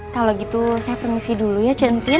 kalo gitu saya permisi dulu ya ceng entin